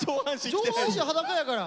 上半身裸やから。